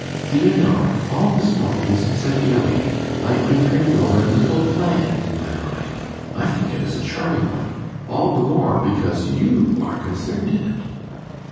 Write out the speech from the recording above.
Do you know, all this morning, since I've been awake, I've been turning over a little plan in my mind. I think it a charming one all the more, because you are concerned in it.